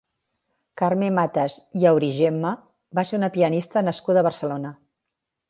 Carme Matas i Aurigemma va ser una pianista nascuda a Barcelona.